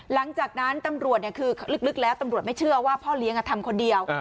หลังจากนั้นตำรวจคือลึกแล้วตำรวจไม่เชื่อว่าพ่อเลี้ยงทำคนเดียว